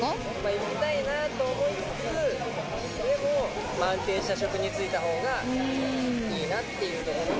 行きたいなと思いつつ、でも安定した職に就いた方がいいなというところで。